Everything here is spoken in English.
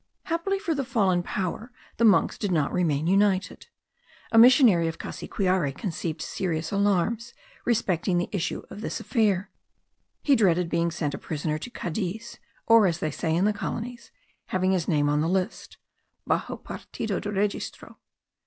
Happily for the fallen power the monks did not remain united. A missionary of the Cassiquiare conceived serious alarms respecting the issue of this affair; he dreaded being sent a prisoner to Cadiz, or, as they say in the colonies, having his name on the list (baxo partido de registro).